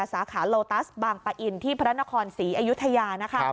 สาขาโลตัสบางปะอินที่พระนครศรีอยุธยานะคะ